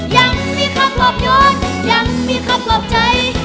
ยังมีคำตอบย้อนยังมีคำปลอบใจ